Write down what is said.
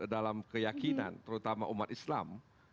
dalam keyakinan terutama umat islam